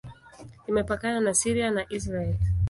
Imepakana na Syria na Israel.